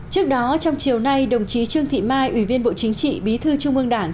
trước đó trong chiều nay đồng chí trương thị mai ủy viên bộ chính trị bí thư trung ương đảng